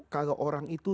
kalau orang itu